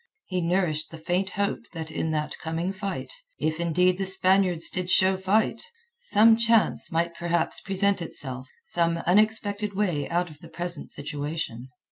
He nourished the faint hope that in that coming fight—if indeed the Spaniards did show fight—some chance might perhaps present itself, some unexpected way out of the present situation.